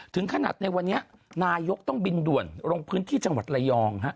ถึงขนาดในวันนี้นายกต้องบินด่วนลงพื้นที่จังหวัดระยองฮะ